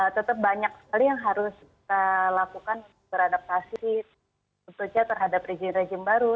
tetap banyak sekali yang harus kita lakukan beradaptasi tentunya terhadap rejim rejim baru